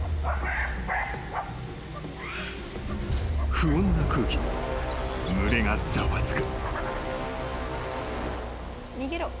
［不穏な空気に群れがざわつく］